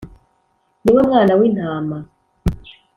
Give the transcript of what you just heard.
Ni we Mwana w'Intama